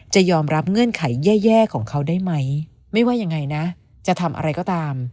จะยอมรับเงื่อนไขแย่ของเขาได้ไหมไม่ว่ายังไงนะจะทำอะไรก็ตาม